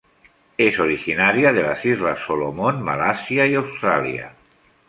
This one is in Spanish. Es originaria de las Islas Solomon, Malasia y Australia.